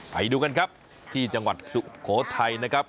ไปดูกันครับที่จังหวัดสุโขทัยนะครับ